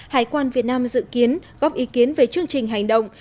hải quan việt nam dự kiến góp ý kiến về chương trình hành động